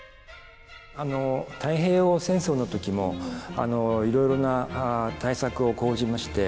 太平洋戦争の時もいろいろな対策を講じまして。